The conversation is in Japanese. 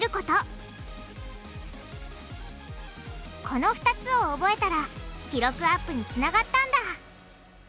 この２つを覚えたら記録アップにつながったんだ！